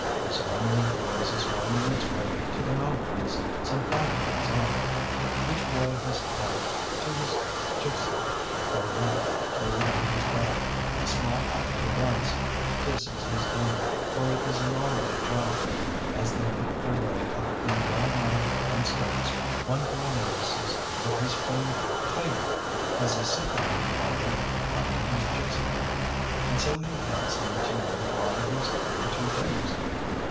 This army of boys is winding its way to the mountains some five miles off. Each boy has tied to his jikcey, or rack carried on his back, a small package of rice. This is his dinner, for it is an all day job. As they make their way up the well nigh barren slopes, one boy notices that his friend Kaiby has a second little bundle tied to his jikcey, and so he hails him to know why he is carrying two dinners.